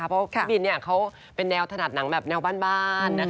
เพราะพี่บินเขาเป็นแนวถนัดหนังแบบแนวบ้าน